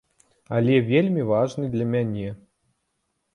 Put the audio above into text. Але вельмі важны для мяне.